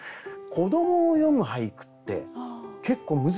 子どもを詠む俳句って結構難しいんですよ。